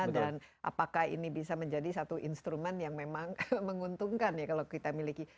dan apakah ini bisa menjadi satu instrumen yang memang menguntungkan ya kalau kita miliki